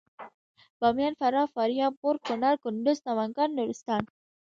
باميان فراه فاریاب غور کنړ کندوز سمنګان نورستان